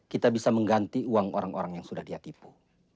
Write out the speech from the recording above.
kita bisa mengganti uang orang orang yang sudah dia tipu